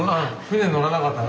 船乗らなかった。